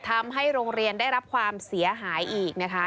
ทำให้โรงเรียนได้รับความเสียหายอีกนะคะ